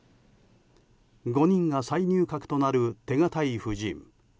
５人が再入閣となる手堅い布陣。